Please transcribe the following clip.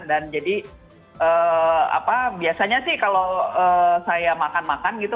dan jadi apa biasanya sih kalau saya makan makan gitu